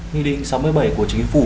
nghị định sáu mươi bảy của chính phủ